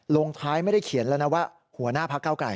ลงท้ายไม่ได้เขียนแล้วนะว่าหัวหน้าพักเก้าไกล